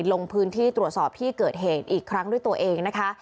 ลงพื้นที่ตรวจสอบที่เกิดเหตุอีกครั้งด้วยตัวเองนะคะ